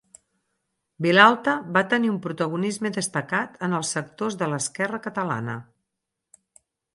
Vilalta va tenir un protagonisme destacat en els sectors de l'esquerra catalana.